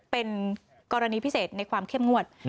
เป็นกรณีพิเศษในความเข้มงวด